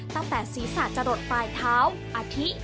ตั้งแต่ศีรษะจะหลดปลายเท้าอาทิ